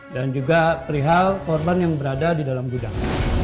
dan juga perihal korban yang berada di dalam gudang